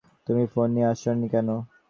তুমি ফোন দিয়ে আসো নি কেন?